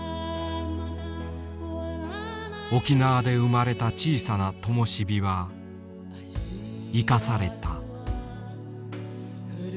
沖縄で生まれた小さなともし火は生かされた。